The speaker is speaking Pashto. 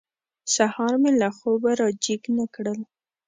سهار مې له خوبه را جېګ نه کړل.